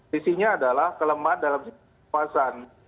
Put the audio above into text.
sisinya adalah kelemahan dalam situasen